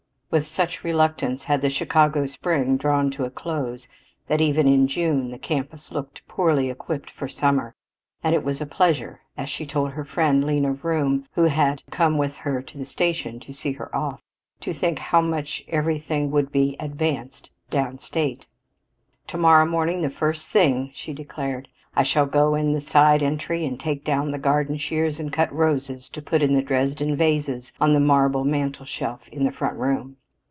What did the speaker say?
With such reluctance had the Chicago spring drawn to a close that, even in June, the campus looked poorly equipped for summer, and it was a pleasure, as she told her friend Lena Vroom, who had come with her to the station to see her off, to think how much further everything would be advanced "down state." "To morrow morning, the first thing," she declared, "I shall go in the side entry and take down the garden shears and cut the roses to put in the Dresden vases on the marble mantelshelf in the front room."